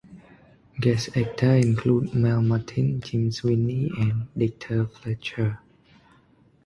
Guest actors included Mel Martin, Jim Sweeney and Dexter Fletcher.